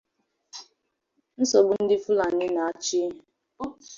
nsogbu ndị Fụlani na-achị ehi